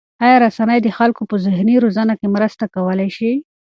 آیا رسنۍ د خلکو په ذهني روزنه کې مرسته کولای شي؟